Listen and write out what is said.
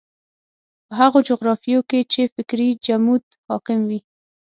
په هغو جغرافیو کې چې فکري جمود حاکم وي.